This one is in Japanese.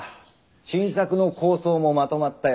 新作の構想もまとまったよ。